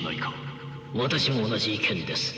私も同じ意見です。